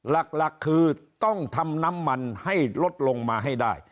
หลักคือต้องทำน้ำมันให้ลดลงมาให้ได้